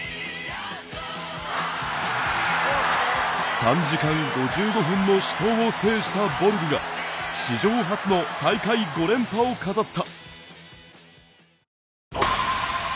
３時間５５分の死闘を制したボルグが史上初の大会５連覇を飾った。